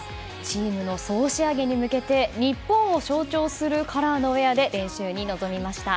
チームの総仕上げに向けて日本を象徴するカラーのウェアで練習に臨みました。